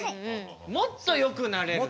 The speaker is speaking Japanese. もっとよくなれると。